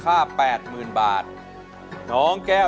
ที่บอกใจยังไง